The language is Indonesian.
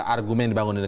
argumen yang dibangun ini